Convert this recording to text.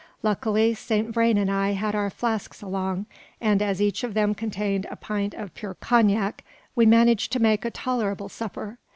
Luckily, Saint Vrain and I had our flasks along; and as each of them contained a pint of pure Cognac, we managed to make a tolerable supper.